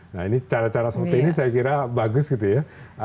nah ini cara cara seperti ini saya kira bagus gitu ya